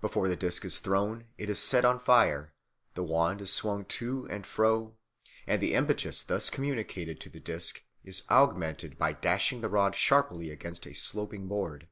Before the disc is thrown it is set on fire, the wand is swung to and fro, and the impetus thus communicated to the disc is augmented by dashing the rod sharply against a sloping board.